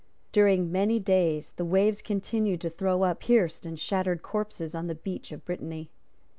During many days the waves continued to throw up pierced and shattered corpses on the beach of Brittany.